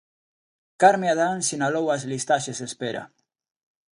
Carme Adán sinalou as listaxes de espera.